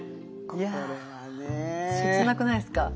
いやぁ切なくないですか？